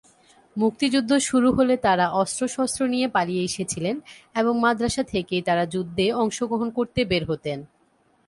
মুক্তিযুদ্ধ শুরু হলে তারা অস্ত্রশস্ত্র নিয়ে পালিয়ে এসেছিলেন এবং মাদ্রাসা থেকেই তারা যুদ্ধে অংশগ্রহণ করতে বের হতেন।